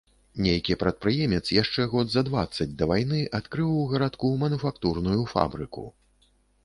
Нейкі прадпрыемец, яшчэ год за дваццаць да вайны, адкрыў у гарадку мануфактурную фабрыку.